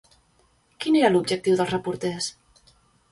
Quin era l'objectiu dels reporters?